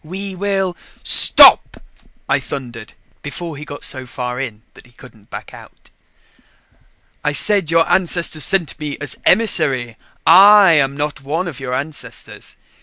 We will " "Stop!" I thundered before he got so far in that he couldn't back out. "I said your ancestors sent me as emissary I am not one of your ancestors.